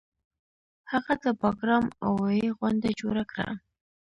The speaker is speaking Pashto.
هغه د باګرام اوویی غونډه جوړه کړه